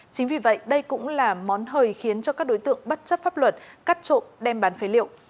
chính vì vậy đây cũng là món hời khiến cho các đối tượng bất chấp pháp luật cắt trộn đem bán phế liệu